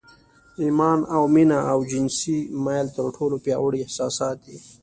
ایمان او مینه او جنسي میل تر ټولو پیاوړي احساسات دي